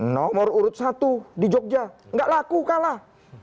nomor urut satu di jogja gak laku kalah